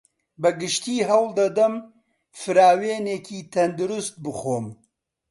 بەگشتی هەوڵدەدەم فراوینێکی تەندروست بخۆم.